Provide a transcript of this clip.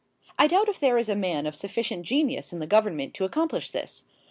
I doubt if there is a man of sufficient genius in the Government to accomplish this.